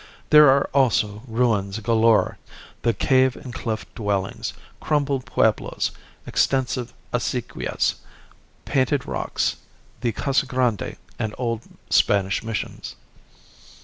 There are also ruins galore, the cave and cliff dwellings, crumbled pueblos, extensive acequias, painted rocks, the casa grande and old Spanish missions.